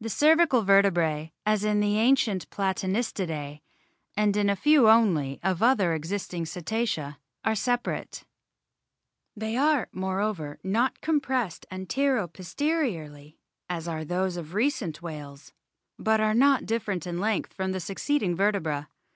The cervical vertebrae, as in the ancient Platanistidae and in a few only of other existing Cetacea, are separate ; they are, moreover, not compressed antero posteriorly as are those of recent whales, but are not different in length from the succeeding vertebrae.